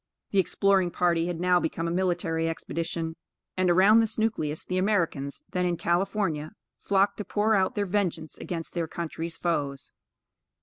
The exploring party had now become a military expedition, and around this nucleus the Americans, then in California, flocked to pour out their vengeance against their country's foes.